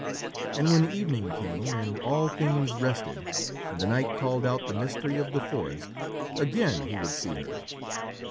And when evening came and all things rested, and the night called out the mystery of the forest, again he would see her.